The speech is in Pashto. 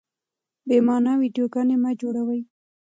بې مانا ويډيوګانې مه جوړوئ.